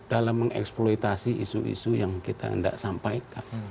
dalam mengeksploitasi isu isu yang kita tidak sampaikan